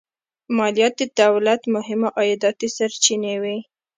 مالیات د دولت مهمې عایداتي سرچینې وې.